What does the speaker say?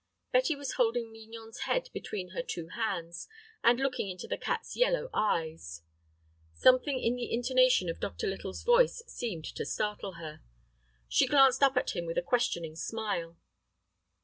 Betty was holding Mignon's head between her two hands, and looking into the cat's yellow eyes. Something in the intonation of Dr. Little's voice seemed to startle her. She glanced up at him with a questioning smile.